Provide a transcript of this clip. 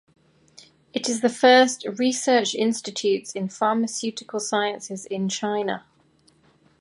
It is the first research institutes in pharmaceutical sciences in China.